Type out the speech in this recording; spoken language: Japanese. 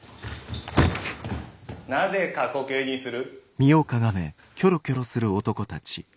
・なぜ過去形にする？